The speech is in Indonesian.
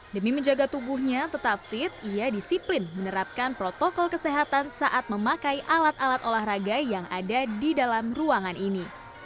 demi menjaga tubuhnya tetap fit ia disiplin menerapkan protokol kesehatan saat memakai alat alat olahraga yang ada di dalam ruangan ini